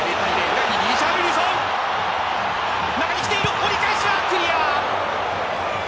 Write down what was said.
中にきている折り返しはクリア。